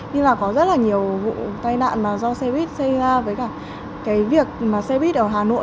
nên là có rất là nhiều vụ tai nạn mà do xe buýt xây ra với cả cái việc mà xe buýt ở hà nội